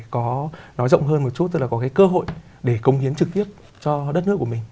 có nói rộng hơn một chút tức là có cái cơ hội để công hiến trực tiếp cho đất nước của mình